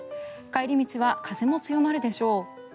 帰り道は風も強まるでしょう。